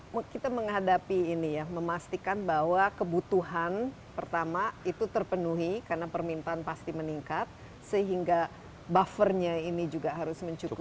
nah kita menghadapi ini ya memastikan bahwa kebutuhan pertama itu terpenuhi karena permintaan pasti meningkat sehingga buffernya ini juga harus mencukupi